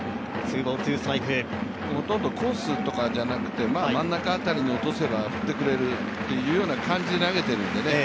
ほとんどコースとかじゃなくて真ん中辺りに落とせば振ってくれるというような感じで投げてるんでね